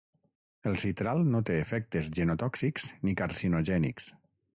El citral no té efectes genotòxics ni carcinogènics.